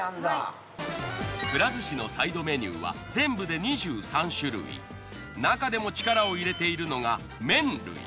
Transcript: くら寿司のサイドメニューは全部でなかでも力を入れているのが麺類。